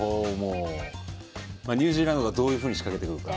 ニュージーランドがどういうふうに仕掛けてくるか